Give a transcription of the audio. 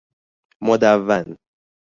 مدون